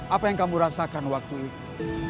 apa yang kamu rasakan waktu itu